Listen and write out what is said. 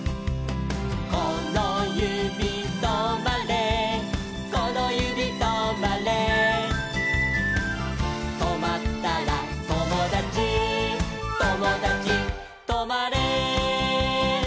「このゆびとまれこのゆびとまれ」「とまったらともだちともだちとまれ」